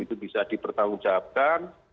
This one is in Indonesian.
itu bisa dipertanggungjawabkan